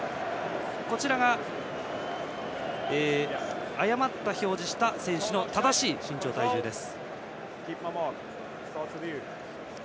今のが誤って表示した選手の正しい身長と体重です。